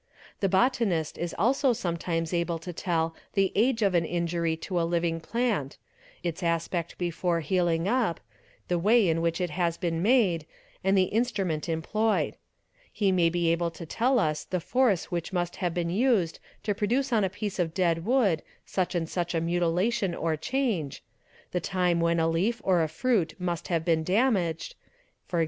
The botanist is also sometimes able to tell the age of an injury toa i living plant, its aspect before healing up, the way in which it has been made, and the instrument employed; he may be able to tell us the force which must have been used to produce on a piece of dead wood such and such a mutilation or change, the time when a leaf or a fruit "must have been damaged (e.g.